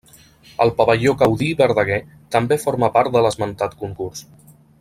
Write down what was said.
El pavelló Gaudí i Verdaguer també forma part de l'esmentat concurs.